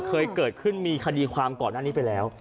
เคยเกิดขึ้นมีคดีความก่อนหน้านี้ไปแล้ว